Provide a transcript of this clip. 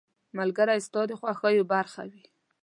• ملګری ستا د خوښیو برخه وي.